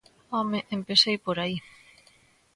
¡Home!, empecei por aí.